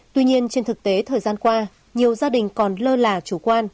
tuy nhiên trên thực tế thời gian qua nhiều gia đình còn lơ là chủ quan